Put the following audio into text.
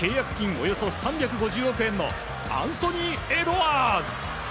およそ３５０億円のアンソニー・エドワーズ。